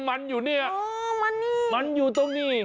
มันนี่มันอยู่ตรงนี้